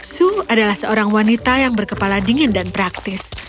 su adalah seorang wanita yang berkepala dingin dan praktis